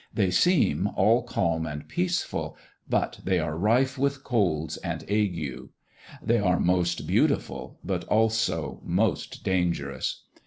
They seem all calm and peaceful; but they are rife with colds and ague. They are most beautiful, but also most dangerous.